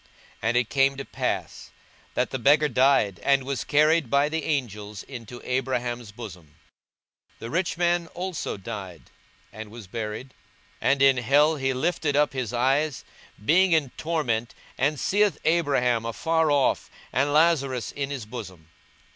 42:016:022 And it came to pass, that the beggar died, and was carried by the angels into Abraham's bosom: the rich man also died, and was buried; 42:016:023 And in hell he lift up his eyes, being in torments, and seeth Abraham afar off, and Lazarus in his bosom.